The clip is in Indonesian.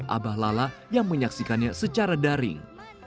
abah lala yang menyaksikannya secara daring